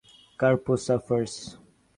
Karpo suffers.